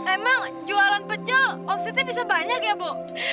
emang jualan pecel omsetnya bisa banyak ya bu